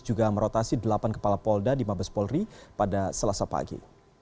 juga merotasi delapan kepala polda di mabes polri pada selasa pagi